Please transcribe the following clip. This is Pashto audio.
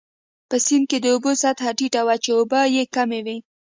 په سیند کې د اوبو سطحه ټیټه وه، چې اوبه يې کمې وې.